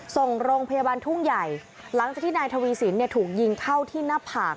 ส่งโรงพยาบาลทุ่งใหญ่หลังจากที่นายทวีสินเนี่ยถูกยิงเข้าที่หน้าผาก